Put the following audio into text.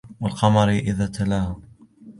وَالْقَمَرِ إِذَا تَلَاهَا